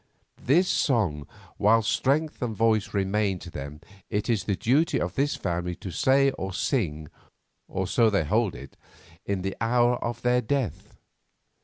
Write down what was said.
This song, while strength and voice remained to them, it is the duty of this family to say or sing, or so they hold it, in the hour of their death.